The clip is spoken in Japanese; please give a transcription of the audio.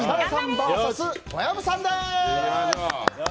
ＶＳ小籔さんです。